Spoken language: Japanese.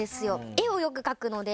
絵をよく描くので。